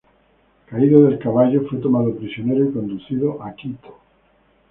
Caído del caballo, fue tomado prisionero y conducido a Quito.